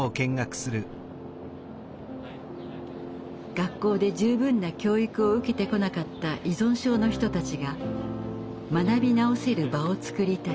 学校で十分な教育を受けてこなかった依存症の人たちが学び直せる場を作りたい。